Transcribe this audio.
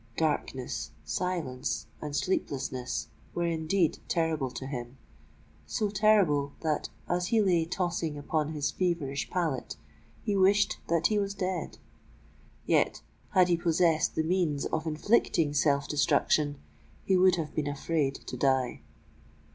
Darkness—silence—and sleeplessness were indeed terrible to him,—so terrible that, as he lay tossing upon his feverish pallet, he wished that he was dead:—yet, had he possessed the means of inflicting self destruction, he would have been afraid to die!